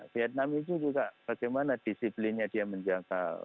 vietnam itu juga bagaimana disiplinnya dia menjangkau